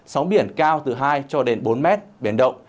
sóng biển cao từ hai cho đến bốn mét biển động